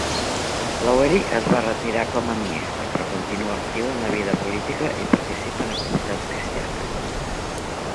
Lowery es va retirar com a ministre, però continua actiu en la vida política i participa en activitats cristianes.